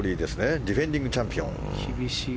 ディフェンディングチャンピオン。